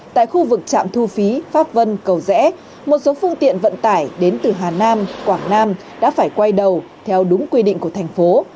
tại khu vực trạm thu phí pháp vân cầu rẽ một số phương tiện vận tải đến từ hà nam quảng nam đã phải quay đầu theo đúng quy định của thành phố